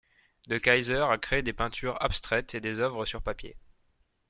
De Keyser a créé des peintures abstraites et des œuvres sur papier.